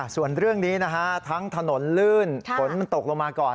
ส่วนเรื่องนี้นะฮะทั้งถนนลื่นฝนมันตกลงมาก่อน